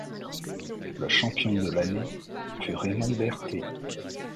Le champion de l'année fut Raymond Berthet.